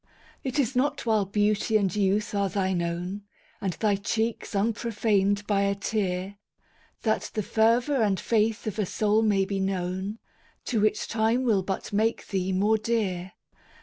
It is not while beauty and youth are thine own, And thy cheeks unprofaned by a tear, That the fervor and faith of a soul may be known, To which time will but make thee more dear!